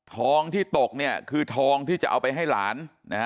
ทองที่ตกคือทองที่จะเอาไปให้หลาน